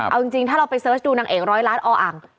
เอาจริงถ้าเราไปเสิร์ชดูนางเอกร้อยล้านออ่าง